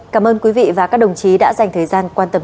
cảm ơn quý vị và các đồng chí đã dành thời gian quan tâm